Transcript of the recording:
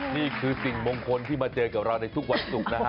นี่คือสิ่งมงคลที่มาเจอกับเราในทุกวันศุกร์นะฮะ